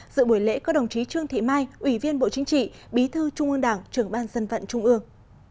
dự buổi lễ có đồng chí trương thị mai ủy viên bộ chính trị bí thư trung ương đảng trưởng ban dân vận trung ương